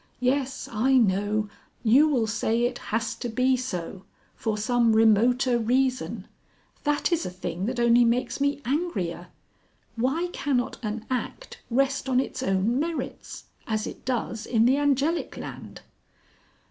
Yes I know; you will say it has to be so. For some remoter reason. That is a thing that only makes me angrier. Why cannot an act rest on its own merits?... As it does in the Angelic Land."